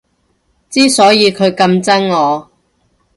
之所以佢咁憎我